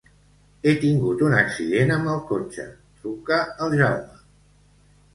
He tingut un accident amb el cotxe; truca al Jaume.